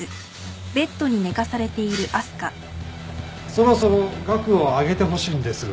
そろそろ額を上げてほしいんですが。